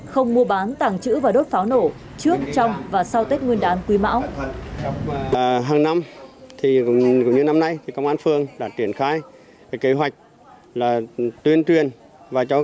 không mua bán tàng trữ và đốt pháo nổ trước trong và sau tết nguyên đán quy mão